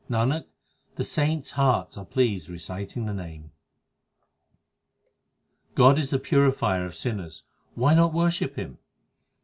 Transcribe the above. Nanak, the saints hearts are pleased reciting the Name. 19 God is the Purifier of sinners ; why not worship Him